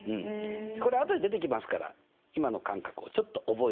これあとで出てきますから今の感覚をちょっと覚えておいてくださいね。